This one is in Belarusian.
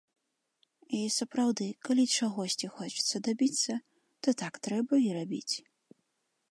І сапраўды, калі чагосьці хочацца дабіцца, то так трэба і рабіць.